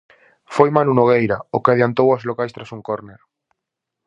Foi Manu Nogueira o que adiantou aos locais tras un córner.